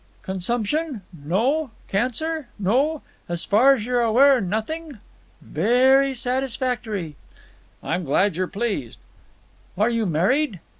"Consumption? No? Cancer? No? As far as you are aware, nothing? Very satisfactory." "I'm glad you're pleased." "Are you married?"